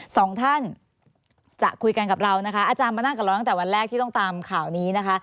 สองท่านจะคุยกันกับเรานะคะอาจารย์มานั่งกับเราตั้งแต่วันแรกที่ต้องตามข่าวนี้นะคะ